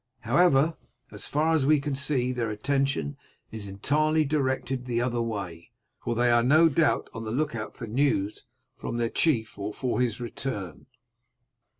However, as far as we can see their attention is entirely directed the other way, for they are no doubt on the look out for news from their chief or for his return.